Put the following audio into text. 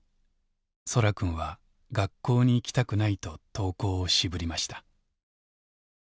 そらくんは学校に行きたくないと登校を渋りました。